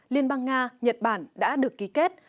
liên bang nga nhật bản đã được ký kết